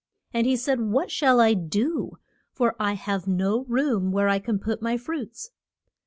And he said, What shall I do? for I have no room where I can put my fruits.